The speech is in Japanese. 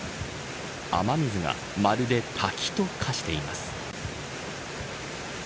雨水がまるで滝と化しています。